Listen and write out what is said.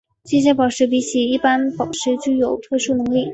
这些宝石比起一般宝石具有特殊能力。